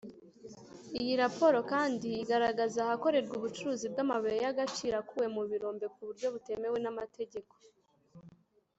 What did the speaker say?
Iyi raporo kandi igaragaza ahakorerwa ubucuruzi bw’amabuye y’agaciro akuwe mu birombe ku buryo butemewe n’amategeko